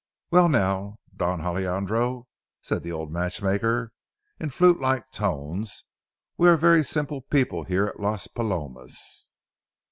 "Well, now, Don Alejandro," said the old matchmaker, in flutelike tones, "we are a very simple people here at Las Palomas.